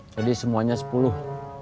jadi semuanya sepuluh